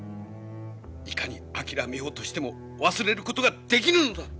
いかに諦めようとしても忘れることができぬのだ！